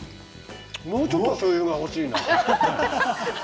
もうちょっとしょうゆが欲しいな。